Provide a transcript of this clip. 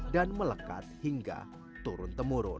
dan melekat hingga turun temurun